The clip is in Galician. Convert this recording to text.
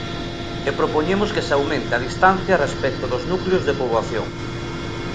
E propoñemos que se aumente a distancia respecto dos núcleos de poboación.